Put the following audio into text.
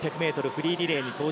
８００ｍフリーリレー